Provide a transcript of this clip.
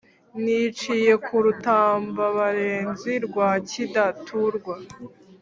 niciye ku rutambabarenzi rwa kidaturwa